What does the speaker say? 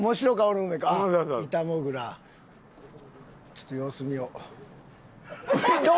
ちょっと様子見よう。